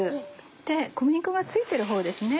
で小麦粉が付いてるほうですね。